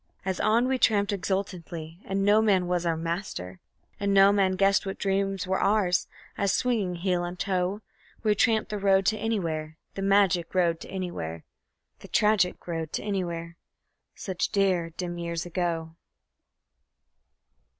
As on we tramped exultantly, and no man was our master, And no man guessed what dreams were ours, as, swinging heel and toe, We tramped the road to Anywhere, the magic road to Anywhere, The tragic road to Anywhere, such dear, dim years ago.